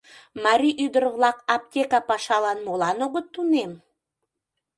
Марий ӱдыр-влак аптека пашалан молан огыт тунем?